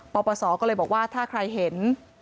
ปปศก็เลยบอกว่าถ้าใครเห็น